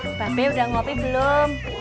mbak be udah ngopi belum